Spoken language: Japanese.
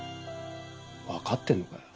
分かってんのかよ。